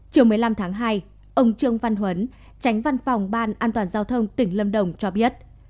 chiều một mươi năm tháng hai ông trương văn huấn tránh văn phòng ban an toàn giao thông tỉnh lâm đồng cho biết